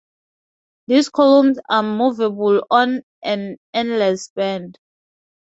These columns are moveable on an endless band.